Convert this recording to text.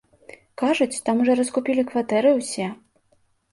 Кажуць, там ужо раскупілі кватэры ўсе.